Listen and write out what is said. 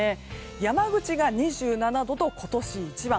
山口が２７度と今年一番。